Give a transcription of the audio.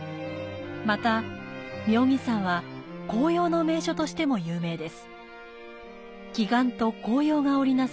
また、妙義山は紅葉の名所としても有名です。